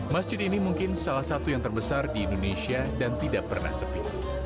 masjid ini mungkin salah satu yang terbesar di indonesia dan tidak pernah sepi